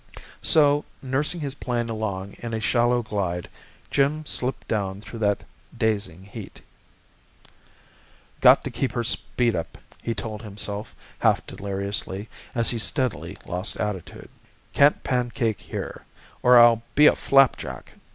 So, nursing his plane along in a shallow glide, Jim slipped down through that dazing heat. "Got to keep her speed up!" he told himself, half deliriously, as he steadily lost altitude. "Can't pancake here, or I'll be a flapjack!"